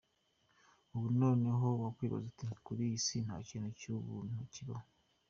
Ubu noneho wakwibaza uti "Kuri iyi si ntakintu cy'ubuntu kibaho".